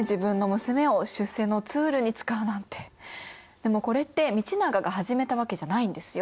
でもこれって道長が始めたわけじゃないんですよ。